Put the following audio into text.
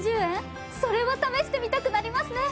それは試してみたくなりますね。